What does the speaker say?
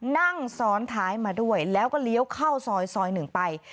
นั่งซ้อนท้ายมาด้วยแล้วก็เลี้ยวเข้าซอยซอยหนึ่งไป